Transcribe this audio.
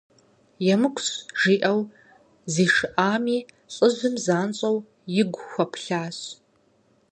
– ЕмыкӀущ, – жиӀэу зишыӀами, лӀыжьым занщӀэу игу хуэплъащ.